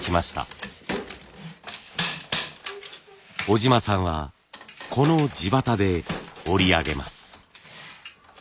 小島さんはこの地機で織り上げます。